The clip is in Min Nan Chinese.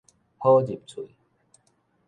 好入喙